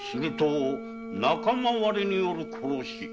仲間割れによる殺し。